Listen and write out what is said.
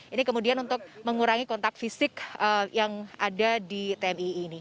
ini kemudian untuk mengurangi kontak fisik yang ada di tmii ini